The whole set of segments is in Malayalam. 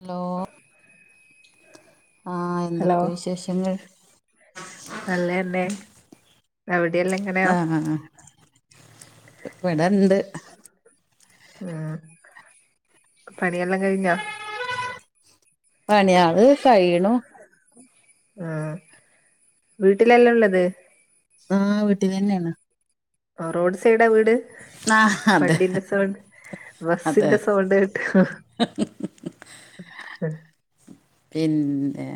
ഹലോ ആ എന്തൊക്കെ വിശേഷങ്ങൾ നല്ലെന്നെ അവിടെയല്ലാംങ്ങനെ ആ ആ ആ ഇവിടണ്ട് ഉം പണിയെല്ലാം കഴിഞ്ഞോ? പണിയാള് കഴിയണു ആ വീട്ടിലല്ലെള്ളത് ആ വീട്ടിലെന്നെയാണ് ആ റോഡ് സൈഡാ വീട് ആഹ് അതെ വണ്ടിന്റെ സൗണ്ട് ബസിന്റെ സൗണ്ട് കേട്ട് ഹക്ക് എ പിന്നേ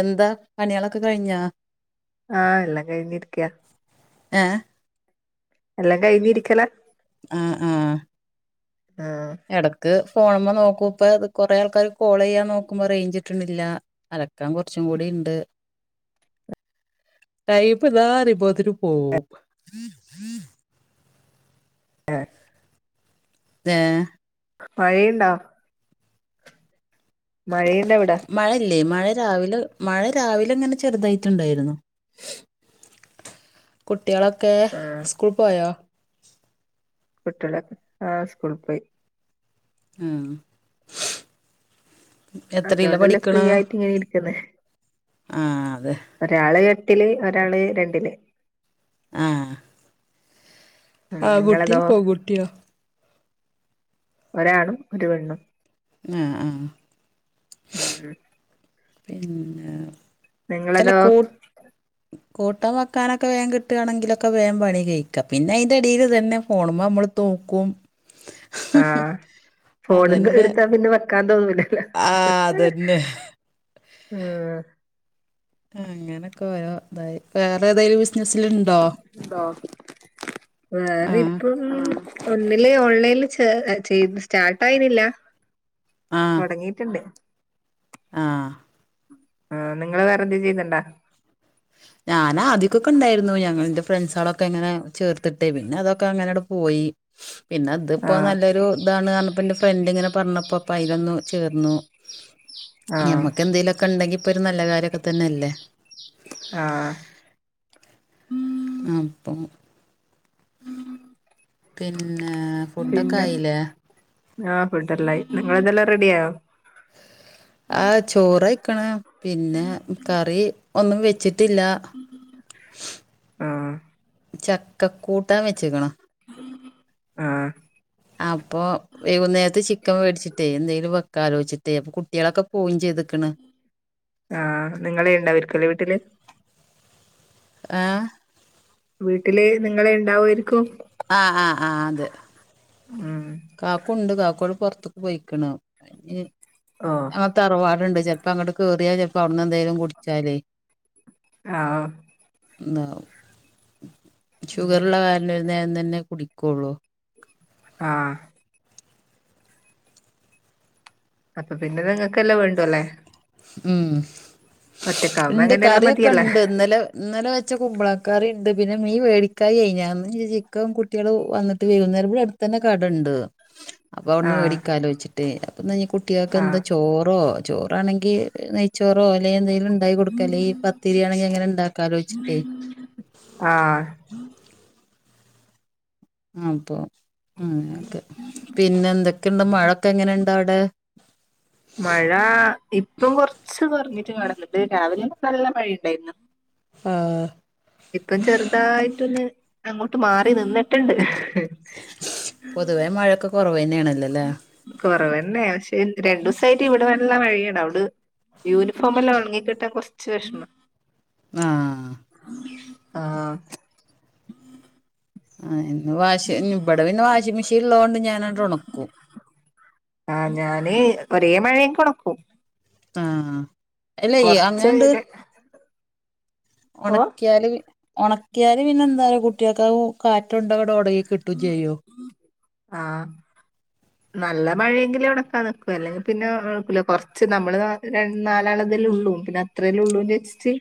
എന്താ പണികളൊക്കെ കഴിഞ്ഞോ? ആഹ് എല്ലാ കഴിഞ്ഞിരിക്കയാ ഏ എല്ലാം കഴിഞ്ഞിരിക്കലാ ആഹ് ആഹ് ആഹ് എടക്ക് ഫോണുമ്മെ നോക്കും ഇപ്പ കൊറേ ആൾക്കാർ കോളെയ്യാൻ നോക്കുമ്പോ റേയ്ഞ്ചിട്ടണില്ല അലക്കാൻ കൊറച്ചും കൂടി ഇണ്ട് ടൈമ്മിതാറിമ്പോത്തിനും പോവും ഏഹ് ദേ മഴയിണ്ടോ മഴയിണ്ടോവിടെ മഴയില്ലേ മഴ രാവിലെ മഴ രാവിലെ ഇങ്ങനെ ചെറുതായിട്ടുണ്ടായിരുന്നു കുട്ടികളൊക്കെ ആഹ് സ്കൂൾ പോയോ കുട്ടികളൊക്കെ ആ സ്കൂള് പോയി ഉം എത്രീലാ അതുകൊണ്ടല്ലേ ഫ്രീ പഠിക്കണ് ആയിട്ട് ഇങ്ങനെ ഇരിക്കുന്നെ ആ അതെ ഒരാള് എട്ടില് ഒരാള് രണ്ടില് ആഹ് ഉം നിങ്ങളതോ പെൺകുട്ടിയോ ഒരാണും ഒരു പെണ്ണും ആ ആ ഉം മ് പിന്നെ അല്ല നിങ്ങളതോ കൂ കൂട്ടാൻ വെക്കാനൊക്കെ വേഗം കിട്ടാണെങ്കിലൊക്കെ വേഗ പണി കഴിക്കാം പിന്നെ അയിന്റെടിയിലിതെന്നെ ഫോണുമ്മെ നമ്മള് ത്തോക്കും ആഹ് ഫോണന്ന് എടുത്താ പിന്നെ വെക്കാൻ തോന്നുലാ ആ അതന്നെ ആഹ് അങ്ങനെക്കെ വേ അതായി വേറെ ഏതേലു വി ബിസ്സിനസ്സില് ഉണ്ടോ ആഹ് ആ ഉം ഒന്നില് ഓൺലൈനിൽ ചേർ ചെയ്ത് സ്റ്റാർട്ട് ആയിട്ടില്ല തുടങ്ങിട്ടുണ്ട് ആഹ് ആഹ് നിങ്ങള് വേറെ എന്തങ്കിലും ചെയ്യ്ന്ന്ണ്ടാ ഞാനാ ആദ്യക്കൊക്കെ ഉണ്ടായിരുന്നു ഞങ്ങളെന്റെ ഫ്രണ്ട്സ ആളൊക്കെ ഇങ്ങനെ ചേർത്തിട്ടേ പിന്നെ അതൊക്കെ അങ്ങനെണ്ട് പോയി പിന്നെ അത്പ്പോ ആഹ് നല്ലൊരു ഇതാണ് പർഞ്ഞപ്പോ കാരണം പിന്നെ ഫ്രണ്ട് ഇങ്ങനെ പറഞ്ഞപ്പോപ്പ അയ്ലൊന്നു ചേർന്നു ആഹ് ഞമ്മക്ക് എന്തെലുക്കെ ഉണ്ടെങ്കി ഇപ്പ ഒരു നല്ല കാര്യൊക്കെ തന്നെ അല്ലേ ആഹ് അപ്പം പിന്നെ ഫുഡൊക്കെ പിന്നെ ആയില്ലേ ആഹ് ഫട്ടലായി നിങ്ങളതെല്ലാം റെഡിയാവോ ആഹ് ചോറയ്ക്ക്ണ് പിന്നെ കറി ഒന്നും വെച്ചിട്ടില്ല ആഹ് ചക്ക കൂട്ടാൻ വെച്ച്ക്ക്ണ് ആഹ് അപ്പൊ വെയ്കുന്നേരത്ത് ചിക്കൻ മേടിച്ചിട്ടേ എന്തെിലും കാലോെിച്ചിട്ടേ അപ്പൊ കുട്ടികളൊക്കെ പോയിം ചെയ്തുക്ക്ണ് ആഹ് നിങ്ങളേ ഉണ്ടാവരിക്കല്ലേ വീട്ടില് ആഹ് വീട്ടില് നിങ്ങള ഇണ്ടാവുമായിരിക്കും ആഹ് ആഹ് ആഹ് അതെ ഉം കാക്കുണ്ട് കാക്കോട് പൊർത്തേക്ക് പോയിക്കണ് അ ആഹ് നമ്മടെ തറവാടുണ്ട് ചിലപ്പോ അങ്ങട്ട് കേറിയാ ചിലപ്പോ അവിട്ന്ന് എന്തേലും കുടിച്ചാലേ ആഹ് [unintelligible] ഉം ഷുഗറുള്ള കാരണം ഒരു നേരം തന്നെ കുടിക്കുള്ളൂ ആഹ് അപ്പൊ പിന്നെ നിങ്ങൾക്കല്ലേ വേണ്ടു അല്ലേ ഉം ഒറ്റക്കാവുമ്പോ ഇണ്ട് അങ്ങനെയെല്ലാം കറി മതിയല്ലേ ഒക്കെണ്ട് ഇന്നലെ ഇന്നലെ വെച്ച കുമ്പളക്കറിണ്ട് പിന്നെ മീ വേടിക്കായിയേ കഴിഞ്ഞാ ചിക്കൻ കുട്ടികൾ വന്നിട്ട് വകുന്നേരം ഇവടെ അട് തന്നെ കടണ്ട് അപ്പൊ അവിട്ന്ന് ആഹ് മേടിക്കാലോചിച്ചിട്ട്പ്പന്ന്ഞ്ഞാൽ കുട്ടികൾക്ക് എന്താ ആഹ് ചോറോ ചോറാണെങ്കി ങ്കി നെയ്ച്ചോറോ അല്ലെ എന്തേലും ഉണ്ടായി കൊടുക്ക അല്ലേ ഈ പത്തിരിയാണെങ്കിൽ അങ്ങനെ ഉണ്ടാക്കാലോചിച്ചിട്ടേ ആഹ് അപ്പൊ അങ്ങനൊക്കെ പിന്നെ എന്തൊക്കെയുണ്ട് മഴൊക്കെ എങ്ങനെണ്ട് അവിടെ മഴ ഇപ്പം കൊറച്ച് കൊറഞ്ഞിട്ട് കാണുന്നുണ്ട് രാവിലെ നല്ല മഴയുണ്ടായിരുന്നു ആഹ് ഇപ്പം ചെറുതായിട്ടൊന്ന് അങ്ങോട്ട് മാറി നിന്നിട്ടുണ്ട് പൊതുവേ മഴൊക്കെ കൊറവന്നെയാണല്ലോ കൊറവന്നെ പക്ഷേ രണ്ട് ദിവസായിട്ട് ഇവിടെ വല്ലാം മഴയാണ് അവിട് യൂണിഫോം എല്ലാം ഒണങ്ങിക്കിട്ടാ കൊർച്ച് വിഷമം ആഹ് ആഹ് ആഹ് ഇന്ന് വാഷി ഇവിടെ ഇന്നെ വാഷിംഗ് മെഷീൻ ഉള്ളത് കൊണ്ട് ഞാനാണ്ട് ഒണക്കും ആ ഞാന് ഒരേ മഴേയും കൊണക്കും ആഹ് അല്ല കൊറച്ച് അങ്ങനെണ്ട് ഓ ഒണക്ക്യാല് ഒണക്ക്യാല് പിന്നെന്താറിയോ കുട്ട്യാക്കത് കാറ്റ് കൊണ്ടത് ഒണങ്ങി കിട്ടും ചെയ്യും ആഹ് നല്ല മഴെങ്കില് ഒണക്കാൻ നിക്കു അല്ലെങ്കിൽ പിന്നെ കൊർച്ച് നമ്മള് രണ്ട് നാലാളതല്ലേ ഉള്ളൂ പിന്നെ ത്രല്ലേ ഉള്ളൂന്ന് ച്ച്ട്ട്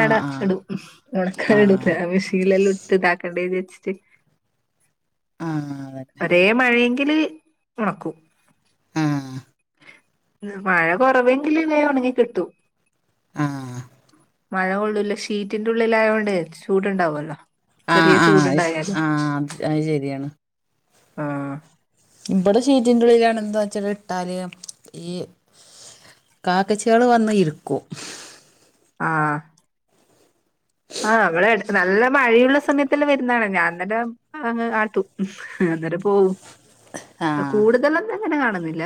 ആഹ് ആഹ് ഇടും ഒണക്കാൻ ഇടൂല ആഹ് മെഷീല്ലെല്ലോ ഇട്ട് ഇതാക്കണ്ടെ വെച്ച്ട്ട് ആ അതെന്നെ ഒരേ മഴെങ്കില് ഒണക്കും ആഹ് മഴ കൊറവെങ്കില് വേം ഒണങ്ങി കിട്ടും ആഹ് മഴ കൊള്ളൂല്ല ഷീറ്റിന്റുള്ളിലായോണ്ട് ചൂടുണ്ടാവല്ലോ ആഹ് ചെറിയ ആഹ് അത് ചൂട്ണ്ടായാലും ആഹ് അത് ശ- അത് ശരിയാണ് ആഹ് ഇവടെ ഷീറ്റിന്റെ ഉള്ളിലാണ് എന്താ ച്ചട്ടാല് ഈ കാക്കച്യാള് വന്ന് ഇരിക്കും ആഹ് ആ വടെ എടക്ക് നല്ല മഴയുള്ള സമയത്തെല്ലം വെര്ന്നതാണ് ഞാന്നേരം അങ്ങ് ആട്ടും അന്നേരം പോവും ആഹ് കൂടുതലൊന്ന അങ്ങനെ കാണുന്നില്ല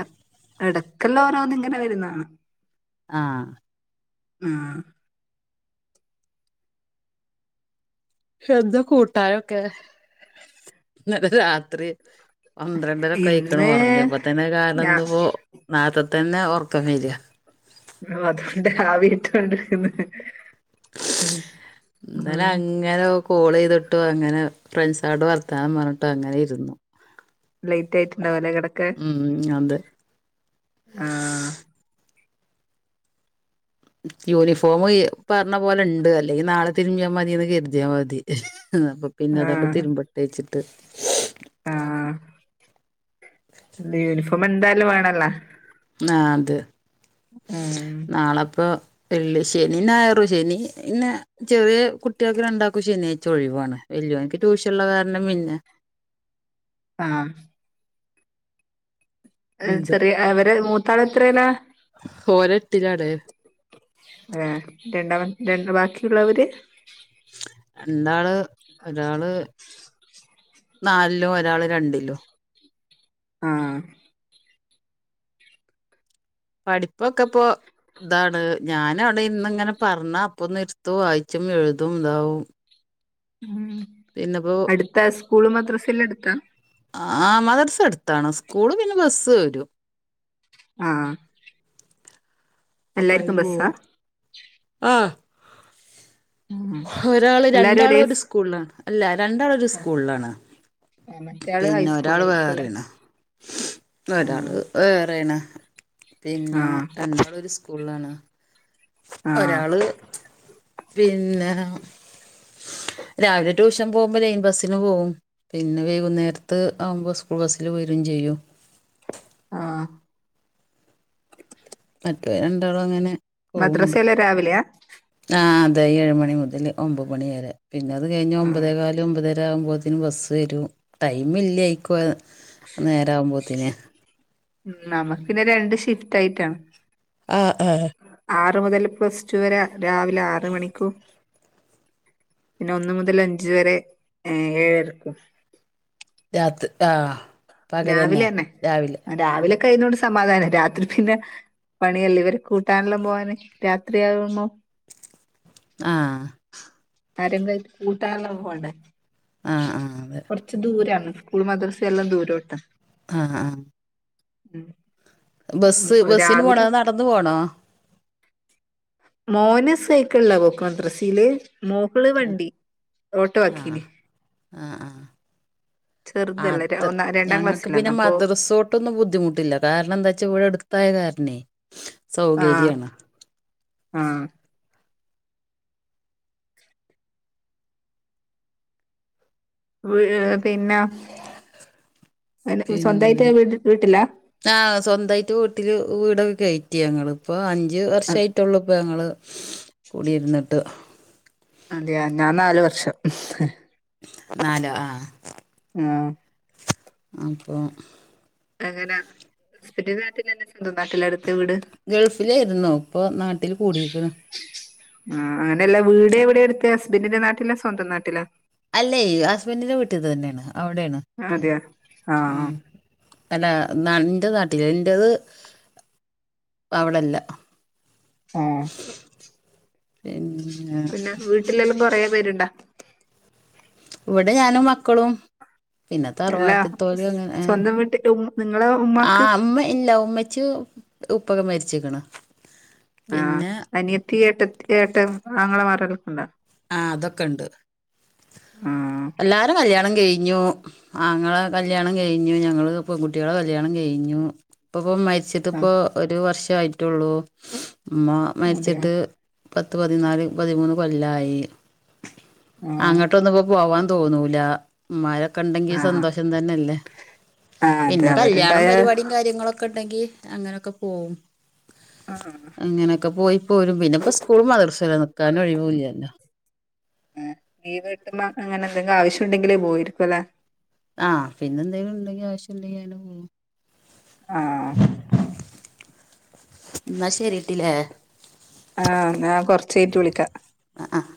എടക്കല്ലോരോന്ന് ങ്ങനെ വെര്ന്നാണ ആഹ് ആ എന്താ കൂട്ടാനൊക്കെ ഇന്നലെ രാത്രി പന്ത്രണ്ടരൊക്കായ്ക്ക്ണ് ഇന്ന് ഒറങ്ങിയപ്പൊത്തെന്നെ കാരണം ഞാ ന്ന് പ്പോ നാർത്തത്തെന്നെ ഒർക്കം വെരാ ആ അതൊണ്ട് ആവിട്ടൊണ്ട്ക്ക്ന്ന് ഇന്നലെ അങ്ങനെ കോളെയ്തിട്ടും അങ്ങനെ ഫ്രണ്ട്സാൾട്‌ വർത്താനം പർഞ്ട്ടും അങ്ങനെ ഇര്ന്ന് ലെയ്റ്റായിട്ടുണ്ടാവുലേ കെടക്കാൻ ഉം അതെ ആഹ് യൂണിഫോം പർഞ്ഞ പോലെ ണ്ട് അല്ലെങ്കി നാളെ തിരിമ്പിയാ മതിന്ന് കെര്തിയാ മതി അപ്പൊ പിന്നെ അതൊക്കെ ആഹ് തിര്മ്പട്ടെ ച്ച്ട്ട് ആഹ് ആ യൂണിഫോം എന്തായാലും വേണല്ലോ ആ ത് ഉം നാളെപ്പോ വെള്ളി ശനി ഞായറും ശനി പിന്നെ ചെറിയ കുട്ട്യാക്ക് രണ്ടാക്കും ശനിയാഴ്ച്ച ഒഴിവാണ് വെല്യോൻക്ക് ട്യൂഷള്ള കാരണം പിന്നെ ആഹ് ഏഹ് ഉണ്ട് ചെറിയ അവര് മൂത്താളെത്രേലാ ഓന് എട്ടിലാണ് ഏഹ് രണ്ടാമ രണ്ട് ബാക്കിയുള്ളവര് രണ്ടാള് ഒരാള് നാലിലും ഒരാള്‌ രണ്ടിലും ആഹ് പഠിപ്പൊക്കെപ്പോ ഇതാണ് ഞാന് അവടെര്ന്ന് ങ്ങനെ പർഞ്ഞാ അപ്പൊന്ന്ട്ത്തും വായിച്ചും എഴുതും ഇതാവും ഉം പിന്നെപ്പോ അട്ത്താ സ്കൂളും മദ്രസെല്ലം അട്ത്താ ആഹ് മദർസെട്ത്താണ് സ്കൂള് പിന്നെ ബസ്സ് വെരും ആഹ് അപ്പം എല്ലാർക്കും അയില് പോവു ബസ്സാ ആഹ് ഉം ഒരാള് എല്ലാരും രണ്ടാള് ഒരേ ഒരു സ് സ്കൂളാണ് അല്ല രണ്ടാള് ഒരു സ്കൂള് ആണ് മറ്റേയാള് പിന്ന ഒരാള് ഹൈസ്കൂളിലായിരിക്കും അല്ലേ വേറേണ് ഒരാള് ആഹ് വേറേണ് പിന്നെ ആഹ് രണ്ടാളും ഒരു സ്കൂളാണ് ആഹ് ഒരാള് പിന്നെ രാവിലെ ട്യൂഷൻ പോകുമ്പോ ലൈൻ ബസിന് പോവും പിന്നെ വൈകുന്നേരത്ത് ആവുമ്പോ സ്കൂള് ബസ്സിൽ വരും ചെയ്യും ആഹ് മറ്റേ രണ്ടാളും അങ്ങനെ മദ്രസയെല്ലാ രാവിലെയ ആഹ് അതെ ഏഴ് മണി മുതല് ഒൻമ്പത് മണി വരെ പിന്നെ അത് കഴിഞ്ഞ് ആഹ് ഒൻമ്പതേകാല് ഒൻമ്പതര ആകുമ്പോത്തിന് ബസ്സ് വരും ടൈം ഇല്ലെ ആയിക്കൊ നേരം ആകുമ്പോത്തിന് ഉം നമുക്ക് പിന്നെ രണ്ട് ഷിഫ്റ്റ് ആയിട്ടാണ് ആഹ് ഏഹ് ആറ് മുതൽ പ്ലസ് ടു വരെ രാവിലെ ആറ് മണിക്കൂ പിന്നെ ഒന്ന് മുതൽ അഞ്ച് വരെ ഏഹ് ഏഴരയ്ക്കും രാത്രി ആഹ് രാവിലെ തന്നെ രാവിലൊക്കെ അയിനോണ്ട് സമാധാനം രാത്രി പിന്നെ പണിയല്ലേ ഇവര് കൂട്ടാനെല്ലാം പോവാന് രാത്രിയാകുമ്പോ ആഹ് ആരെങ്കിലും ആയിട്ട് കൂട്ടാന്ള്ളെ പോണ്ടെ ആ ആ അതെ ച്ച് ദൂരാണ് സ്കൂൾ മദ്രസ എല്ലാം ദൂരോട്ടാ ആഹ് ആഹ് ഉം ബസ്സ് ബസ്സിന് പോണോ രാവിലെ അതോ നടന്ന് പോണോ മോന് സൈക്കിൾലാ പോക്ക് മദ്രസീല് [unintelligible] ള് ആ വണ്ടി ഓട്ടോ ആ ആക്കീന് ആഹ് ആഹ് ചെറുതല്ലെ ര ഒന്നര ഞങ്ങക്ക് പിന്നെ മദ്‌റസോർട്ട് ഒന്നും ബുദ്ധിമുട്ടില്ല കാരണം എന്താ വെച്ചാ ഇവിടെ അടുത്തായ കാരണേ ആഹ് സൗകര്യാണ് ആഹ് വി പിന്നെ പിന്നെ സ്വന്തായിട്ട് വീട്ടില്ല ആഹ് സ്വന്തായിട്ട് വീട്ടില് വീടൊക്കെ കയറ്റി ഞങ്ങള് ഇപ്പം അഞ്ച് വർഷയിട്ടുള്ളൂ ഇപ്പം ഞങ്ങള് കൂടിയിരുന്നിട്ട് അതെയ ഞാൻ നാല് വർഷം നാലൊ ആഹ് ആഹ് അപ്പോ അങ്ങന ഹസ്ബന്റിന്റെ നാട്ടിലതന്നെ സ്വന്തം നാട്ടിലടുത്ത് വീട് ഗൾഫിലായിരുന്നോ ഇപ്പൊ നാട്ടിൽ കൂടിക്കണ് ആഹ് അങ്ങനെയല്ല വീട് എവിടെയ എടുത്തെ ഹസ്ബന്റിന്റെ നാട്ടിലാ സ്വന്തം നാട്ടിലാ അല്ലേ ഹസ്ബൻറിന്റെ വീട്ടീത് തന്നെയാണ് അവിടെയാണ് അതയൊ ആഹ് ഉം അല്ല ന്നാ ന്റെ നാട്ടില് ന്റത് അവിടെല്ല ആഹ് എൻ പിന്നെ വീട്ടിലെല്ലാം കൊറേ പേരുണ്ടാ ഇവിടെ ഞാനും മക്കളും പിന്നെ എല്ലാ തറുവാട്ടിത്തോര് ഇങ്ങനെ സ്വന്തം വീട്ടില് ഉം നിങ്ങളെ ആഹ് ഉമ്മാക്ക് അമ്മ ഇല്ല ഉമ്മച്ചി ഉപ്പക്കെ മരിച്ച്ക്ക്ണ് ആഹ് അനിയത്തി ഏട്ടത്തി ഏട്ടൻ ആങ്ങള മരല്ലാണ്ടോ ആഹ് അതൊക്കെണ്ട് ആഹ് എല്ലാരും കല്യാണം കഴിഞ്ഞു ആങ്ങള കല്യാണം കഴിഞ്ഞു ഞങ്ങള് പെൺകുട്ടികളെ കല്യാണം കഴിഞ്ഞു ഇപ്പപ്പൊ മരി ക്ഷേ ഇത്പ്പോ ആഹ് ഒരു വർഷായിട്ടുള്ളൂ ഉമ്മ അതെയാ മരിച്ചിട്ട് പത്ത് പതിനാല് പതിമൂന്ന് കൊല്ലായി ആഹ് അങ്ങോട്ടൊന്ന് ഇപ്പോ പോവാൻ തോന്നൂലാ മ്മാരൊക്കെ ഉണ്ടെങ്കി ആഹ് സന്തോഷം തന്നെല്ലേ ആഹ് അത് പിന്നെ കല്യാണം അവരുണ്ടായ പരിപാടി കാര്യങ്ങളൊക്കെ ഉണ്ടെങ്കി അങ്ങനെക്കെ പോകും ആഹ് അങ്ങനൊക്കെ പോയി പോരും പിന്നെ ഇപ്പോ സ്കൂൾ മദ്രസു നിക്കാനും ഒഴിവൂല്ലല്ലോ ആഹ് ലീവ് കിട്ട്പ അങ്ങനെ എന്തെങ്കും ആവശ്യണ്ടെങ്കിൽ പോയിരിക്കുവ അല്ലേ ആഹ് പിന്നെന്തെങ്കിലും ഉണ്ടെങ്കിൽ ആവശ്യം ഉണ്ടകിൽ അയിന് പോവും ആഹ് എന്ന ശെരിട്ടിലെ ആഹ് ഞാൻ കൊർച്ച് കൈഞ്ഞിട്ട് വിളിക്കാം അഹ് അഹ്